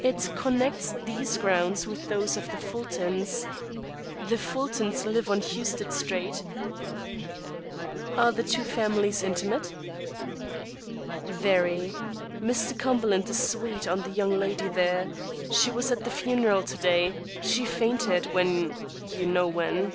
"It connects these grounds with those of the Fultons. The Fultons live on Huested Street." "Are the two families intimate?" "Very. Mr. Cumberland is sweet on the young lady there. She was at the funeral to day. She fainted when you know when."